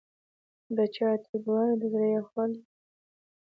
د چای تودوالی د زړه یخوالی ماتوي.